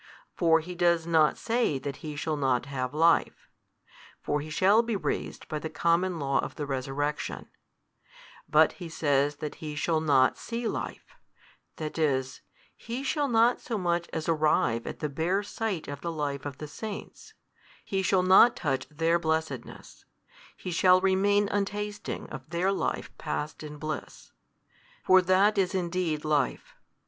For he does not say that he shall not have life: for he shall be raised by the common law of the resurrection; but he says that he shall not see life, that is, he shall not so much as arrive at the bare sight of the life of the saints, he shall not touch their blessedness, he shall remain untasting of their life passed in bliss. For that is indeed life.